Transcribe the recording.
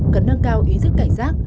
cần nâng cao ý thức cảnh giác